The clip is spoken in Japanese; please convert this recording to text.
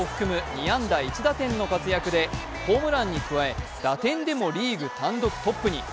２安打１打点の活躍でホームランに加え、打点でもリーグ単独トップに。